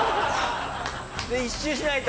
で１周しないと。